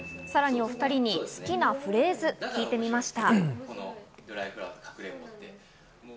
お２人の好きなフレーズを聞いてみました。